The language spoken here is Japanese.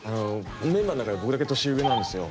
このメンバーの中で僕だけ年上なんですよ。